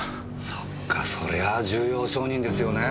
そっかそりゃあ重要証人ですよね。